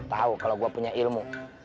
tahu kalau gue punya ilmu